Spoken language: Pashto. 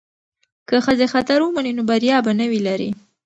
که ښځې خطر ومني نو بریا به نه وي لرې.